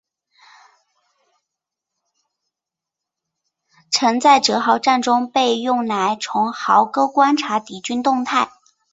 曾在堑壕战中被用来从壕沟观察敌军动态。